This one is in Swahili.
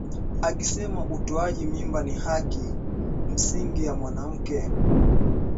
akisema utoaji mimba ni haki msingi ya mwanamke